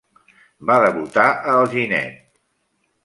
Va debutar a Alginet.